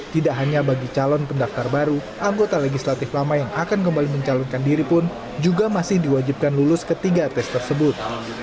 tidak hanya bagi calon pendaftar baru anggota legislatif lama yang akan kembali mencalonkan diri pun juga masih diwajibkan lulus ketiga tes tersebut